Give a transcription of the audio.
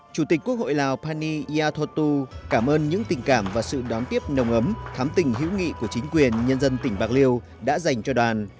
chủ tịch quốc hội lào pani yathotu cảm ơn những tình cảm và sự đón tiếp nồng ấm thám tình hữu nghị của chính quyền nhân dân tỉnh bạc liêu đã dành cho đoàn